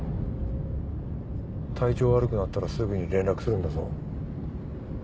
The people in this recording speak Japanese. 体調悪くなったらすぐに連絡するんだぞ。